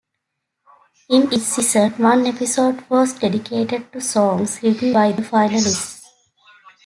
In each season, one episode was dedicated to songs written by the finalists.